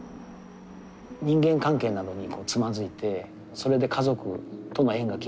人間関係などにつまずいてそれで家族との縁が切れてしまって。